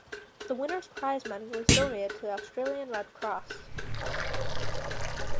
The winner's prize money was donated to the Australian Red Cross.